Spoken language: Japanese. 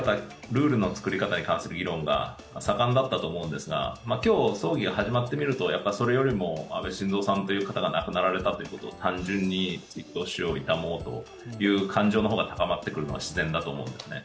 ルールの作り方に関する議論が盛んだったと思うんですが、今日、葬儀が始まってみるとそれよりも安倍晋三さんという方が亡くなられたことを単純に追悼しよう、悼もうという感情の方が高まってくるのが自然だと思うんですね。